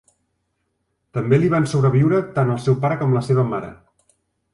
També li van sobreviure tant el seu pare com la seva mare.